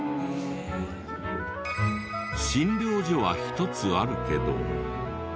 診療所は１つあるけど。